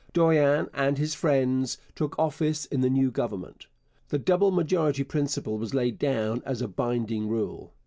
Dorion and his friends took office in the new Government. The double majority principle was laid down as a binding rule.